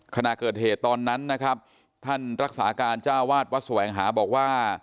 ขณะเกิดเหตุตอนนั้นนะครับท่านรักษาการเจ้าวาดวัดแสวงหาบอกว่า